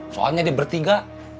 soalnya di bertiga